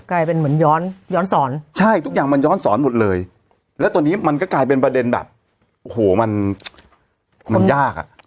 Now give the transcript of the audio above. กลายเป็นเหมือนย้อนย้อนสอนใช่ทุกอย่างมันย้อนสอนหมดเลยแล้วตอนนี้มันก็กลายเป็นประเด็นแบบโอ้โหมันมันยากอ่ะ